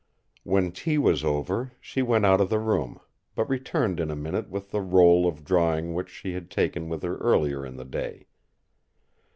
When tea was over, she went out of the room; but returned in a minute with the roll of drawing which she had taken with her earlier in the day.